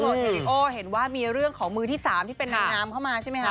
เทริโอเห็นว่ามีเรื่องของมือที่๓ที่เป็นนางงามเข้ามาใช่ไหมคะ